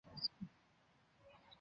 天经地义不是吗？